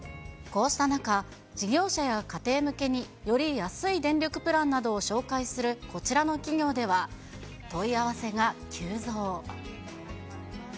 こうした中、事業者や家庭向けにより安い電力プランなどを紹介するこちらの企業では、問い合わせが急増。